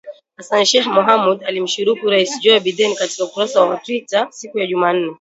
Hassan Sheikh Mohamud alimshukuru Rais Joe Biden katika ukurasa wa Twita siku ya Jumanne